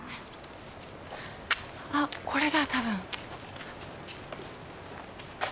あっこれだ多分。